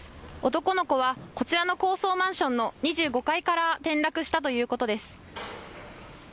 男の子はこちらの高層マンションの２５階から転落したということです。